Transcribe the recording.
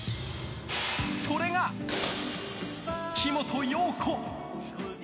それが、木本陽子。